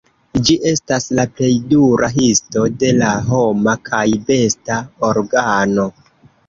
Ĝi estas la plej dura histo de la homa kaj besta organo.